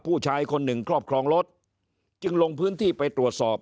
ผู้ชายคนหนึ่งครอบครองรถจึงลงพื้นที่ไปตรวจสอบ